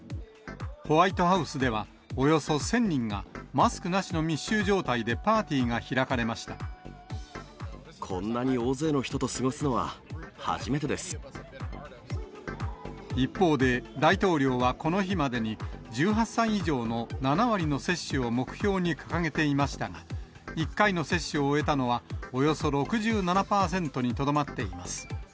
ホワイトハウスでは、およそ１０００人がマスクなしの密集状態でパーティーが開かれまこんなに大勢の人と過ごすの一方で、大統領はこの日までに１８歳以上の７割の接種を目標に掲げていましたが、１回の接種を終えたのは、およそ６７％にとどまっています。